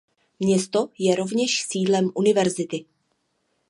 Město je rovněž sídlem univerzity.